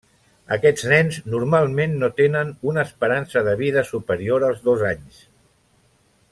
Aquests nens, normalment, no tenen una esperança de vida superior als dos anys.